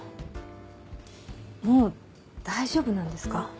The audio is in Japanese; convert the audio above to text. もう大丈夫なんですか？